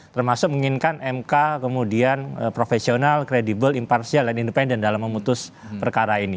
termasuk menginginkan mk kemudian profesional kredibel imparsial dan independen dalam memutus perkara ini